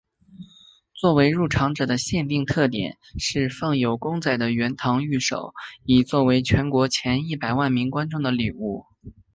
作为入场者的限定特典是放有公仔的圆堂御守以作为全国前一百万名观众的礼物。